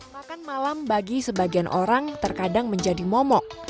makan malam bagi sebagian orang terkadang menjadi momok